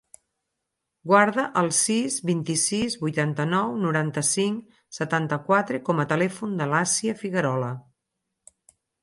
Guarda el sis, vint-i-sis, vuitanta-nou, noranta-cinc, setanta-quatre com a telèfon de l'Assia Figuerola.